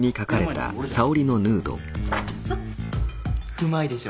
うまいでしょ。